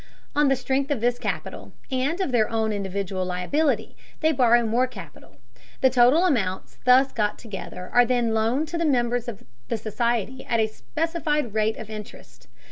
On the strength of this capital, and of their own individual liability, they borrow more capital. The total amounts thus got together are then loaned to the members of the society at a specified rate of interest.